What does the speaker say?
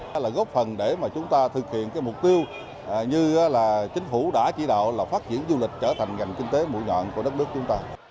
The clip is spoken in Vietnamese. đây là gốc phần để chúng ta thực hiện mục tiêu như chính phủ đã chỉ đạo là phát triển du lịch trở thành ngành kinh tế mũi nhọn của đất nước chúng ta